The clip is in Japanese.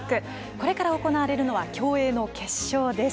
これから行われるのは競泳の決勝です。